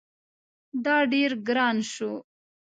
دا ډیر ګران شو